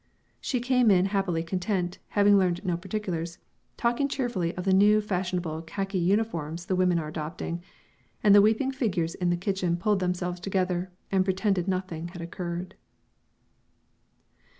She came in happily content, having learned no particulars, talking cheerfully of the now fashionable khaki uniforms the women are adopting, and the weeping figures in the kitchen pulled themselves together and pretended nothing had occurred.